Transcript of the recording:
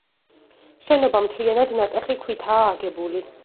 შენობა მთლიანად ნატეხი ქვითაა აგებული.